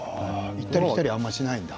行ったり来たりはあまりしないんだ。